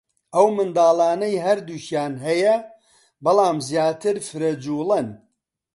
ئەو منداڵانەی هەردووکیان هەیە بەلام زیاتر فرەجووڵەن